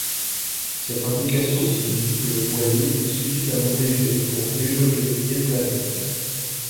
Cette indication signifie que le voilier est suffisamment léger pour déjauger et planer.